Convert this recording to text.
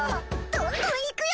どんどんいくよ。